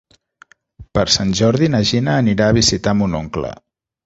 Per Sant Jordi na Gina anirà a visitar mon oncle.